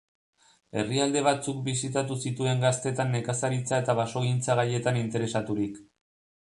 Herrialde batzuk bisitatu zituen gaztetan nekazaritza eta basogintza gaietan interesaturik.